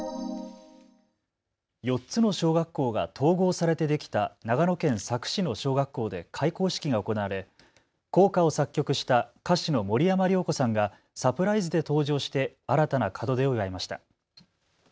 ４つの小学校が統合されてできた長野県佐久市の小学校で開校式が行われ校歌を作曲した歌手の森山良子さんがサプライズで登場して新たな門出を祝いました。